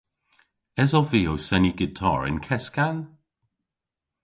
Esov vy ow seni gitar y'n keskan?